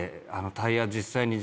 タイヤ実際に。